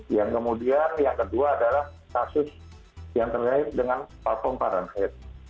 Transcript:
yang kemudian yang kedua adalah kasus yang terkait dengan platform fahrenheit